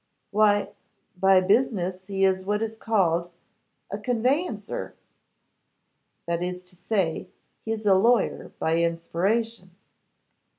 'Why, by business he is what is called a conveyancer; that is to say, he is a lawyer by inspiration.